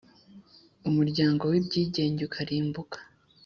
umuryango w’ibyigenge ukarimbuka